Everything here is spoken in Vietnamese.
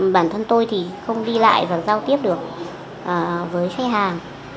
bản thân tôi thì không đi lại và giao tiếp được với khách hàng